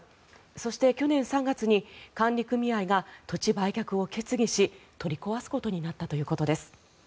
そして、去年３月に管理組合が土地売却を決議し取り壊すことになったということです。